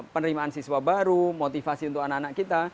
penerimaan siswa baru motivasi untuk anak anak kita